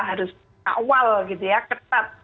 harus awal tetap